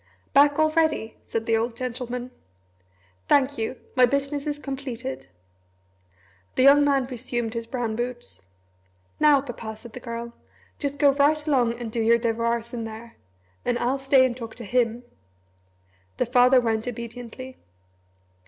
"Back already?" said the old gentleman. "Thank you my business is completed." The young man resumed his brown boots. "Now, Papa," said the Girl, "just go right along and do your devoirs in there and I'll stay and talk to him " The father went obediently.